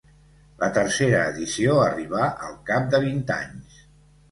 La tercera edició arribà al cap de vint anys.